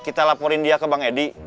kita laporin dia ke bang edi